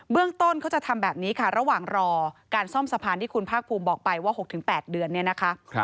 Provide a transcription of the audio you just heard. ต้นเขาจะทำแบบนี้ค่ะระหว่างรอการซ่อมสะพานที่คุณภาคภูมิบอกไปว่า๖๘เดือนเนี่ยนะคะ